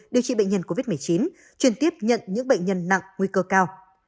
điều trị bệnh nhân covid một mươi chín chuyên tiếp nhận những bệnh nhân nặng nguy cơ cao